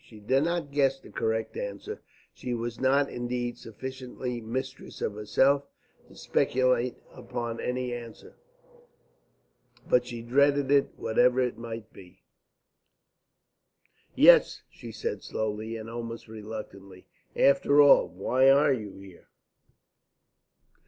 She did not guess the correct answer; she was not, indeed, sufficiently mistress of herself to speculate upon any answer, but she dreaded it, whatever it might be. "Yes," she said slowly, and almost reluctantly. "After all, why are you here?"